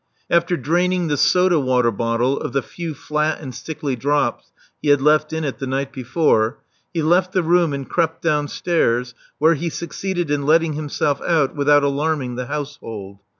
After draining the soda water bottle of the few flat and sickly drops he had left in it the night before, he left the room and crept downstairs, where he suc ceeded in letting himself out without alarming the household.